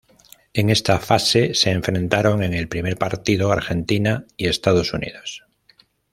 En esta fase se enfrentaron en el primer partido Argentina y Estados Unidos.